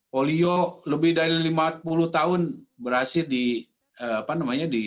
polio lebih dari lima puluh tahun berhasil dihapus